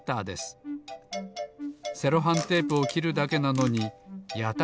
セロハンテープをきるだけなのにやたらとおもいんですよねえ。